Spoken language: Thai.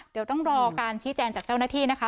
เดี๋ยวต้องรอการชี้แจงจากเจ้าหน้าที่นะคะ